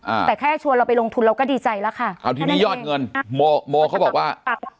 อ่าแต่แค่ชวนเราไปลงทุนเราก็ดีใจแล้วค่ะเอาทีนี้ยอดเงินโมโมเขาบอกว่าอ่ะ